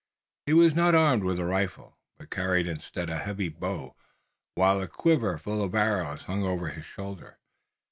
He was not armed with a rifle, but carried instead a heavy bow, while a quiver full of arrows hung over his shoulder.